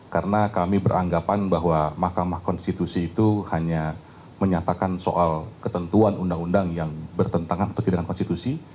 karena kami beranggapan bahwa mahkamah konstitusi itu hanya menyatakan soal ketentuan undang undang yang bertentangan atau tidak konstitusi